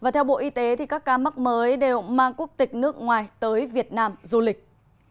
theo bộ y tế các ca mắc mới đều mang quốc tịch nước ngoài tới việt nam du lịch